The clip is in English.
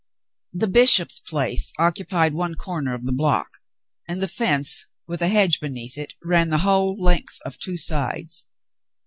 The bishop's place occupied one corner of the block, and the fence with a hedge beneath it ran the whole length of two sides.